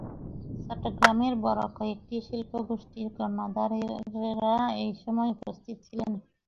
চট্টগ্রামের বড় কয়েকটি শিল্পগোষ্ঠীর কর্ণধারেরা এ সময় উপস্থিত ছিলেন।